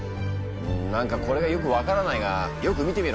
何かこれがよく分からないがよく見てみろ。